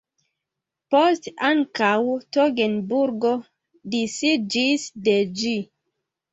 Poste ankaŭ Togenburgo disiĝis de ĝi.